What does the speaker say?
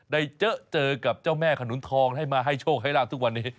ได้เจอเจอกับเจ้าแม่ขนุนทองให้มาให้โชคให้ลาบทุกวันนี้